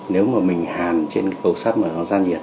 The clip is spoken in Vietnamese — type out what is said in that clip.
nếu mà mình hàn trên cầu sắt mà nó ra nhiệt